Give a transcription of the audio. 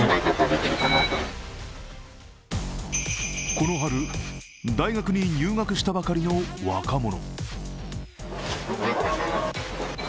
この春、大学に入学したばかりの若者。